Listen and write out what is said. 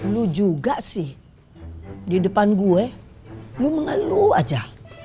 lu juga sih di depan gue lu mengeluh aja